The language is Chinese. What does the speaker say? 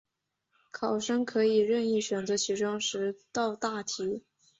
考生可以任意选择其中十道大题